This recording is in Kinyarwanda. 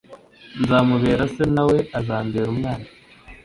Nzamubera se na we azambere umwana